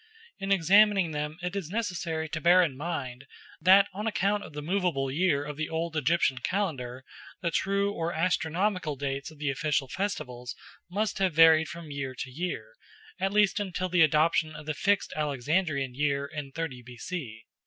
In examining them it is necessary to bear in mind that on account of the movable year of the old Egyptian calendar the true or astronomical dates of the official festivals must have varied from year to year, at least until the adoption of the fixed Alexandrian year in 30 B.C.